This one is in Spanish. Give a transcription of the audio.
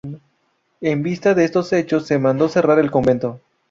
En vista de estos hechos se mandó cerrar el convento.